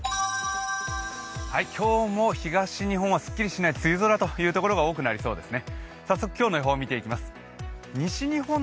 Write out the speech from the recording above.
今日も東日本はすっきりしない梅雨空となるところが多くなりそうですね。